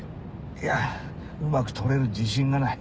いやうまく撮れる自信がない。